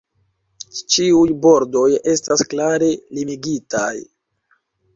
Ĉiuj bordoj estas klare limigitaj.